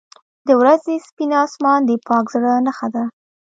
• د ورځې سپین آسمان د پاک زړه نښه ده.